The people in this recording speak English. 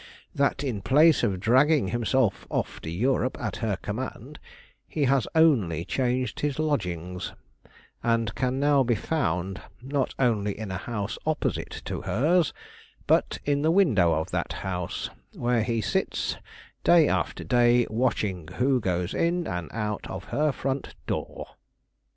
That, in place of dragging himself off to Europe at her command, he has only changed his lodgings, and can now be found, not only in a house opposite to hers, but in the window of that house, where he sits day after day watching who goes in and out of her front door."